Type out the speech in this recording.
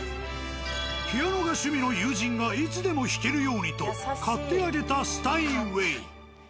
ピアノが趣味の友人がいつでも弾けるようにと買ってあげたスタインウェイ。